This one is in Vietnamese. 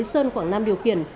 với sơn khoảng năm điều kiển